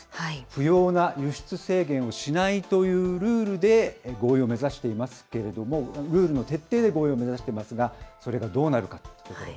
不要な輸出制限をしないというルールで合意を目指していますけれども、ルールの徹底で合意を目指していますが、それがどうなるかということ。